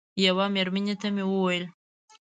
یوه مېرمنې ته مې وویل.